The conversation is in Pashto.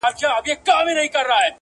ورځي تیري په خندا شپې پر پالنګ وي -